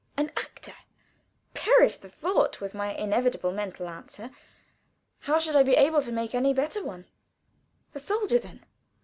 An actor? Perish the thought, was my inevitable mental answer. How should I be able to make any better one? A soldier, then?